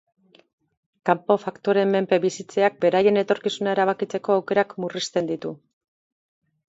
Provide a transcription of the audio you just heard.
Kanpo faktoreen menpe bizitzeak beraien etorkizuna erabakitzeko aukerak murrizten ditu.